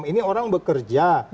ini orang bekerja